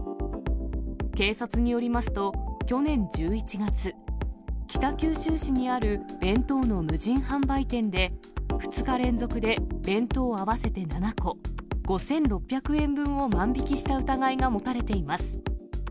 警察によりますと、去年１１月、北九州市にある弁当の無人販売店で２日連続で弁当合わせて７個、５６００円分を万引きした疑いが持たれています。